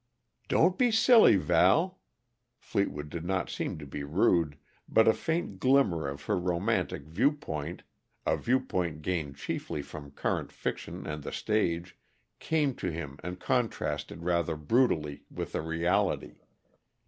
"Don't be silly, Val!" Fleetwood did not mean to be rude, but a faint glimmer of her romantic viewpoint a viewpoint gained chiefly from current fiction and the stage came to him and contrasted rather brutally with the reality.